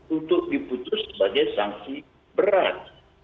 untuk diputus sebagai sanksi berat